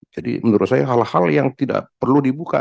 jadi menurut saya hal hal yang tidak perlu dibuka